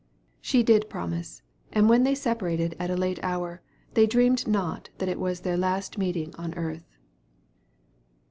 She did promise; and when they separated at a late hour, they dreamed not that it was their last meeting on earth.